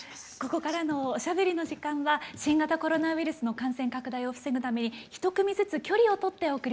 ここからのおしゃべりの時間は新型コロナウイルスの感染拡大を防ぐために１組ずつ距離を取ってお送りしていきます。